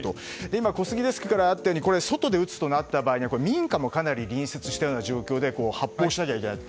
今、小杉デスクからあったように外で撃つとなった場合には民家も、かなり隣接しているような状態で発砲しなきゃいけない。